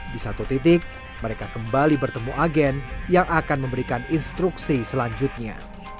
di satu titik mereka kembali bertemu agen yang akan memberikan instruksi selanjutnya